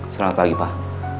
selamat pagi pak